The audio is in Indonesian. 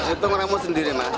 itu meramu sendiri mas